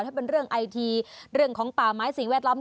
ถ้าเป็นเรื่องไอทีเรื่องของป่าไม้สิ่งแวดล้อม